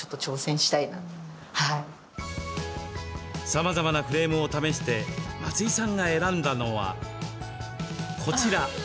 さまざまなフレームを試して松井さんが選んだのは、こちら。